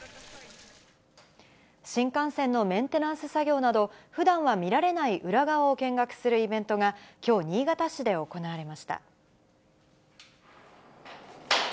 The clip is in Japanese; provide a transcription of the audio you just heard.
新幹線のメンテナンス作業など、ふだんは見られない裏側を見学するイベントが、きょう、新潟市で行われました。